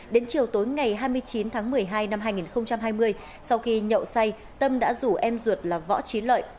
đến chiều tối ngày hai mươi chín tháng một mươi hai năm hai nghìn hai mươi sau khi nhậu say tâm đã rủ em ruột là võ trí lợi